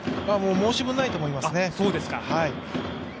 申し分ないと思いますね。